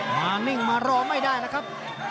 มานิ่งมารอไม่ได้นะครับ